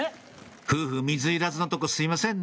夫婦水入らずのとこすいませんね